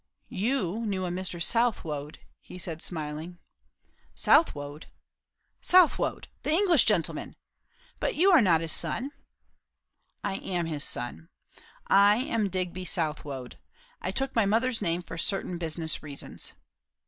"You knew a Mr. Southwode," said he smiling. "Southwode? Southwode! The English gentleman! But you are not his son?" "I am his son. I am Digby Southwode. I took my mother's name for certain business reasons."